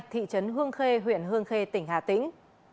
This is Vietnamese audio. thị trấn hương khê huyện hương khê tỉnh hà tĩnh